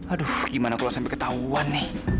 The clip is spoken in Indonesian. aduh gimana aku gak sampai ketahuan nih